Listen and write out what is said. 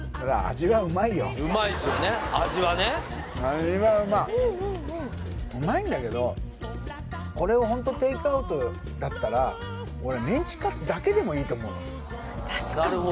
味はうまいうまいんだけどこれをホントテイクアウトだったら俺メンチカツだけでもいいと思うの確かに！